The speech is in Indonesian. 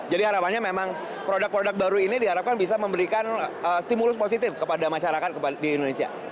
jadi harapannya memang produk produk baru ini diharapkan bisa memberikan stimulus positif kepada masyarakat di indonesia